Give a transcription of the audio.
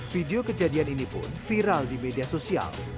video kejadian ini pun viral di media sosial